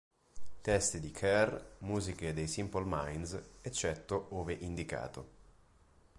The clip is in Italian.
Testi di Kerr, musiche dei Simple Minds, eccetto ove indicato.